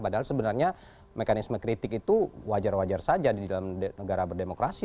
padahal sebenarnya mekanisme kritik itu wajar wajar saja di dalam negara berdemokrasi